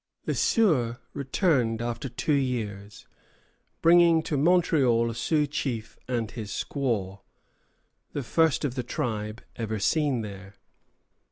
] Le Sueur returned after two years, bringing to Montreal a Sioux chief and his squaw, the first of the tribe ever seen there.